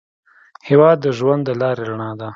هېواد د ژوند د لارې رڼا ده.